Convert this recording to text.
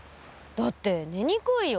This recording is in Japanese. だって寝にくいよ。